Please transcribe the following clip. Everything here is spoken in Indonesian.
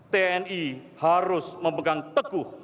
tni harus memegang teguh